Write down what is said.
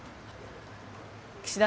岸田